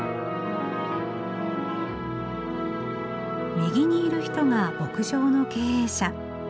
右にいる人が牧場の経営者。